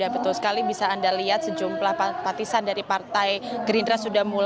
fitriah sungkar partai gerindra